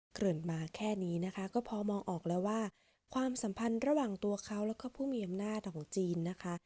เกลิ่นมาแค่นี้ก็พอมองแล้วว่าความสัมพันธ์ระหว่างตัวเขาและผู้หมาของจีน